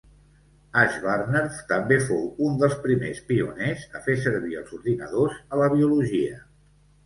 Ashburner també fou un dels primers pioners a fer servir els ordinadors a la biologia.